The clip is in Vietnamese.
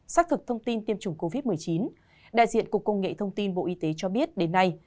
xác thực thông tin tiêm chủng covid một mươi chín đại diện cục công nghệ thông tin bộ y tế cho biết đến nay